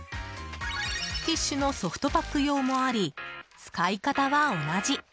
ティッシュのソフトパック用もあり使い方は同じ。